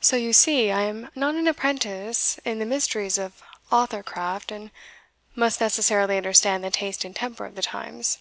So you see I am not an apprentice in the mysteries of author craft, and must necessarily understand the taste and temper of the times.